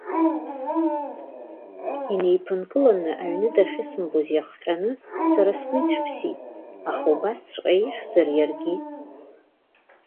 Инеиԥынкыланы аҩны дахьысымбоз иахҟьаны, сара сгәы ицәыԥсит, аха убасҵәҟьа ихьзар иаргьы?